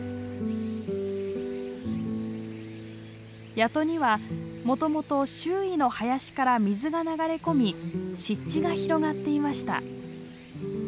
谷戸にはもともと周囲の林から水が流れ込み湿地が広がっていました。